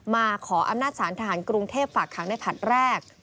มาขออำนาจสารทหารกรุงเทพฝากขังในผลัดแรก